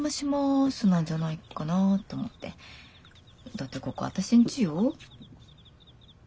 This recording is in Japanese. だってここ私んちよ。